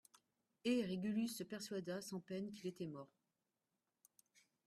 Et Régulus se persuada sans peine qu'il était mort.